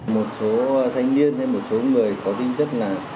một số thanh niên hay một số người có tinh chất là